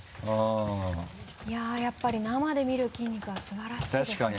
いややっぱり生で見る筋肉は素晴らしいですね。